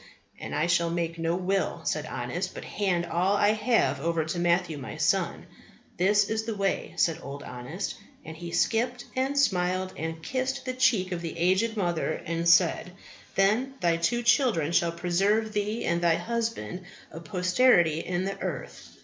And I shall make no will, said Honest, but hand all I have over to Matthew my son. This is the way, said Old Honest; and he skipped and smiled and kissed the cheek of the aged mother and said, Then thy two children shall preserve thee and thy husband a posterity in the earth!